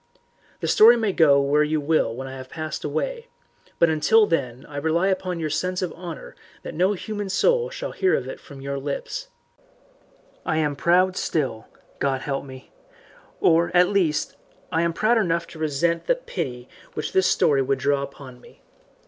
The story may go where you will when I have passed away, but until then I rely upon your sense of honour that no human soul shall hear it from your lips. I am proud still God help me! or, at least, I am proud enough to resent that pity which this story would draw upon me.